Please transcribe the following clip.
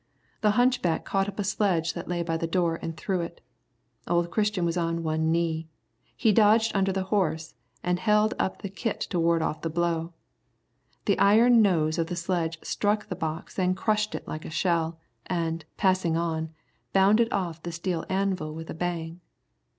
The hunchback caught up a sledge that lay by the door and threw it. Old Christian was on one knee. He dodged under the horse and held up the kit to ward off the blow. The iron nose of the sledge struck the box and crushed it like a shell, and, passing on, bounded off the steel anvil with a bang.